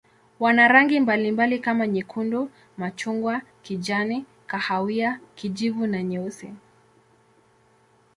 Wana rangi mbalimbali kama nyekundu, machungwa, kijani, kahawia, kijivu na nyeusi.